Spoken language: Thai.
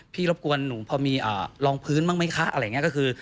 รบกวนหนูพอมีรองพื้นบ้างไหมคะอะไรอย่างนี้ก็คือ